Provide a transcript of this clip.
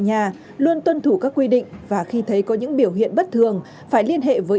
nhà luôn tuân thủ các quy định và khi thấy có những biểu hiện bất thường phải liên hệ với